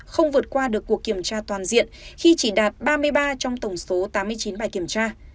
không vượt qua được cuộc kiểm tra toàn diện khi chỉ đạt ba mươi ba trong tổng số tám mươi chín bài kiểm tra